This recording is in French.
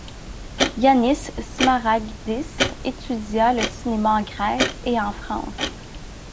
Yánnis Smaragdís étudia le cinéma en Grèce et en France.